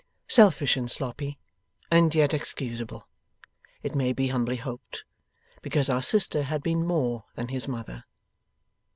Selfish in Sloppy, and yet excusable, it may be humbly hoped, because our sister had been more than his mother.